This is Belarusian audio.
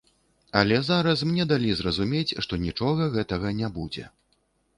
Але зараз мне далі зразумець, што нічога гэтага не будзе.